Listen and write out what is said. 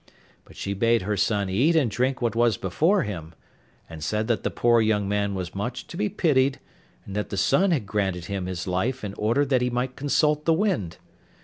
But she bade her son eat and drink what was before him, and said that the poor young man was much to be pitied, and that the sun had granted him his life in order that he might consult the wind.